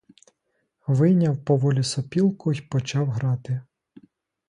Вийняв поволі сопілку й почав грати.